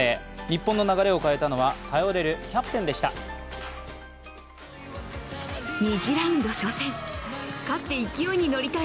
日本の流れを変えたのは頼れるキャプテンでした。